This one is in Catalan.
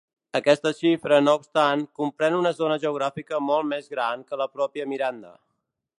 Aquesta xifra, no obstant, comprèn una zona geogràfica molt més gran que la pròpia Miranda.